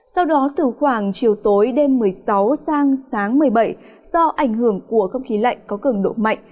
sau đó từ khoảng chiều tối đêm một mươi sáu sang sáng một mươi bảy do ảnh hưởng của không khí lạnh có cường độ mạnh